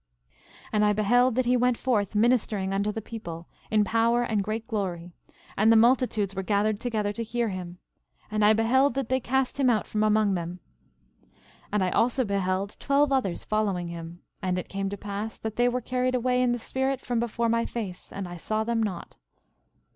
11:28 And I beheld that he went forth ministering unto the people, in power and great glory; and the multitudes were gathered together to hear him; and I beheld that they cast him out from among them. 11:29 And I also beheld twelve others following him. And it came to pass that they were carried away in the Spirit from before my face, and I saw them not.